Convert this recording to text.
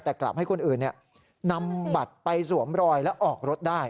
แต่กลับให้คนอื่นนำบัตรไปสวมรอยแล้วออกรถได้